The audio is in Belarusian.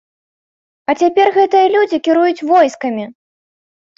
А цяпер гэтыя людзі кіруюць войскамі!